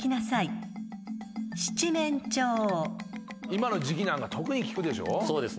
今の時季なんか特に聞くでしょ。